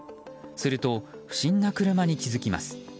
すると、不審な車に気づきます。